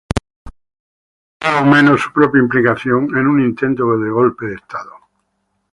Admitieron más o menos su propia implicación en un intento de golpe de estado.